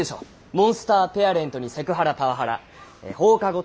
モンスターペアレントにセクハラパワハラ放課後トラブルにいじめ。